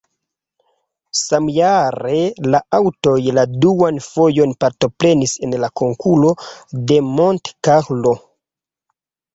Samjare la aŭtoj la duan fojon partoprenis en la Konkuro de Monte Carlo.